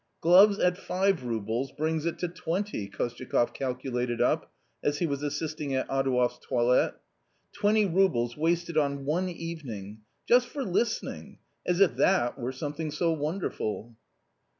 "Gloves at five roubles brings it to twenty !" Kostyakoff calculated up, as he was assisting at Adouev's toilet. "Twenty roubles wasted on one evening ! Just for listening ; as if that were something so wonderful